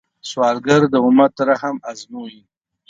سوالګر د امت رحم ازمويي